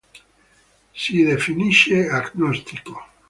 Si definisce agnostico.